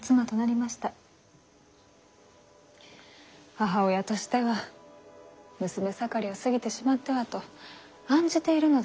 母親としては娘盛りを過ぎてしまってはと案じているのです。